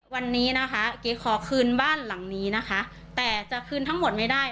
วันนี้นะคะเก๋ขอคืนบ้านหลังนี้นะคะแต่จะคืนทั้งหมดไม่ได้